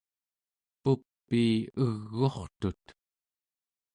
pupii eg'u’rtut